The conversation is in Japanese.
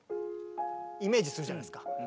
イメージするじゃないですか。